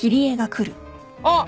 あっ！